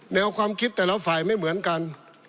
แนวความคิดแต่ละฝ่ายไม่เหมือนกัน